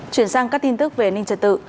chuyển sang các tin tức về ninh trật tự